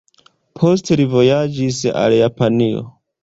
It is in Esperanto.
Poste li vojaĝis al Japanio.